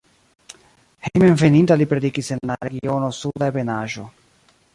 Hejmenveninta li predikis en la regiono Suda Ebenaĵo.